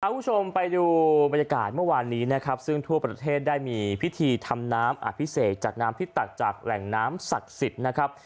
คุณผู้ชมไปดูบรรยากาศเมื่อวานนี้นะครับซึ่งทั่วประเทศได้มีพิธีทำน้ำอภิเษกจากน้ำที่ตักจากแหล่งน้ำศักดิ์สิทธิ์นะครับ